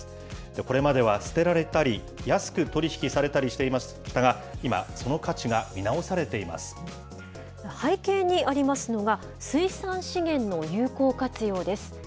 これまでは捨てられたり、安く取り引きされたりしていましたが、今、その価値が見直されて背景にありますのが、水産資源の有効活用です。